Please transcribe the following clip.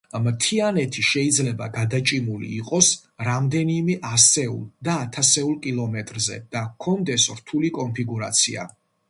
მთიანეთი შეიძლება გადაჭიმული იყოს რამდენიმე ასეულ და ათასეულ კილომეტრზე და ჰქონდეს რთული კონფიგურაცია.